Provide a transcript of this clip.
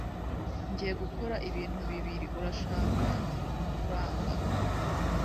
Ngiye gukora ibintu bibiri. Urashaka kuranga?